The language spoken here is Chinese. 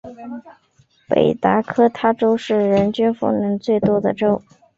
北达科他州是人均风能最多的州。